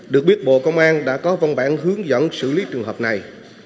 được biết bộ công an đã có văn bản hướng dẫn xử lý trường hợp này